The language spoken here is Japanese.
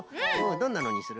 どんなのにする？